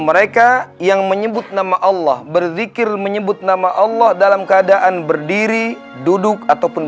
mereka yang menyebut nama allah berzikir menyebut nama allah dalam keadaan berdiri duduk ataupun